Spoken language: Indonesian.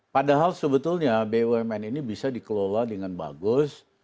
padahal sebetulnya bumn ini bisa dikelola dengan bagus